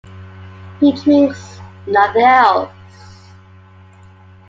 He drinks nothing else.